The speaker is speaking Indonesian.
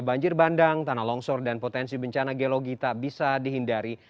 banjir bandang tanah longsor dan potensi bencana geologi tak bisa dihindari